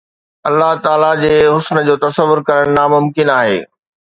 الله تعاليٰ جي حسن جو تصور ڪرڻ ناممڪن آهي